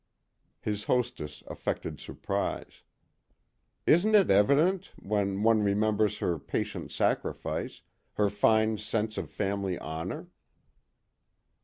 His hostess affected surprise. "Isn't it evident, when one remembers her patient sacrifice, her fine sense of family honour?"